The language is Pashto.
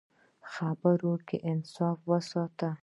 په خبرو کې انصاف وساته.